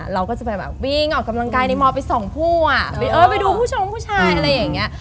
เราก็จะไปแบบวิ่งออกกำลังกายในมไปสองผู้อ่ะเออไปดูผู้ชมผู้ชายอะไรอย่างเงี้ย